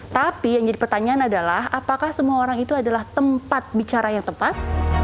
tapi yang jadi pertanyaan adalah apakah semua orang itu adalah tempat bicara yang tepat